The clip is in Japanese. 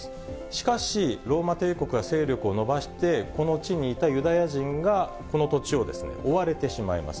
しかし、ローマ帝国が勢力を伸ばして、この地にいたユダヤ人が、この土地を追われてしまいます。